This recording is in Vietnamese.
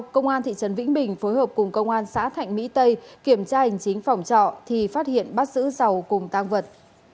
cơ quan cảnh sát điều tra công an huyện châu thành tỉnh kiên giang để tiếp tục điều tra về hành vi trộm các tài sản